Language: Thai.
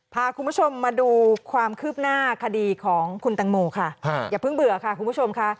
พาคุณผู้ชมมาดูความคืบหน้าคดีของคุณตังโมค่ะอย่าเพิ่งเบื่อค่ะคุณผู้ชมค่ะ